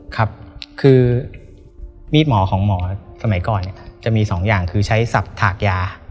ครับคือมีดหมอของหมอสมัยก่อนจะมี๒อย่างคือใช้สับถากยา